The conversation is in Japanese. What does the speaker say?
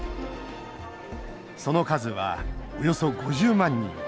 その数は、およそ５０万人。